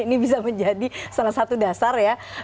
ini bisa menjadi salah satu dasar ya